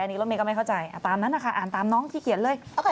นี่รถเมฆก็ไม่เข้าใจตามนั้นนะคะอ่านตามน้องที่เขียนเลย